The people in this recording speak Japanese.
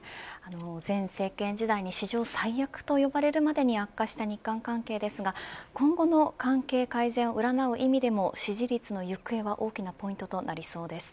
前政権時代に史上最悪と呼ばれるまでに悪化した日韓関係ですが今後の関係改善を占う意味でも支持率の行方は大きなポイントとなりそうです。